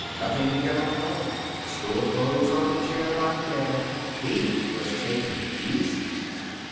Nothing to get up for. Store clothes on the chair by the bed. He was taking it easy.